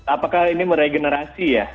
apakah ini meregenerasi ya